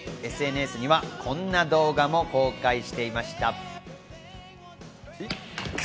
ＳＮＳにはこんな動画も公開していました。